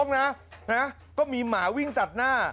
นะครับก็มีหมาวิ่งจัดหน้า